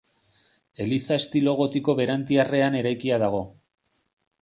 Eliza estilo gotiko berantiarrean eraikia dago.